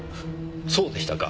そうでしたか。